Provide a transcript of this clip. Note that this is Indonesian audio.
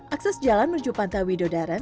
akses jalan menuju pantai widodaran